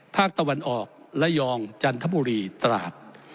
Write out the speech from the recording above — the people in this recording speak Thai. ภาคตะวันออกระยองจันทบุรีตราด